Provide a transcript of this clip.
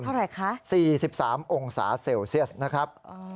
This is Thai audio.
เท่าไหร่คะ๔๓องศาเซลเซียสนะครับ